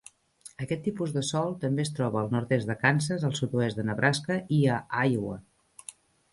Aquest tipus de sol també es troba al nord-est de Kansas, al sud-oest de Nebraska i a Iowa.